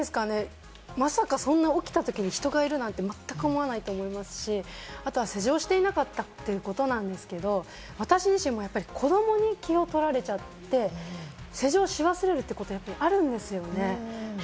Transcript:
まさかそんな、起きたときに人がいるなんて、まったく思わないと思いますし、あとは施錠していなかったということなんですけれども、私自身もやっぱり子どもに気を取られちゃって、施錠し忘れるってことあるんですよね。